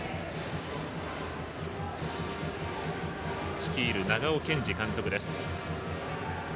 率いる長尾健司監督です。